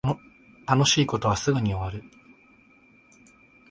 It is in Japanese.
楽しい事はすぐに終わる